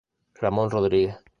Ramón Rodríguez.